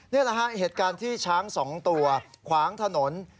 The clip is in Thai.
นี่แหละฮะเหตุการณ์ที่ช้าง๒ตัวขวางถนน